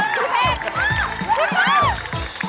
เจ็บแล้วเร็ว